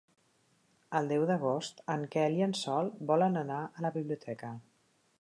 El deu d'agost en Quel i en Sol volen anar a la biblioteca.